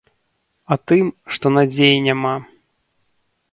А тым, што надзеі няма.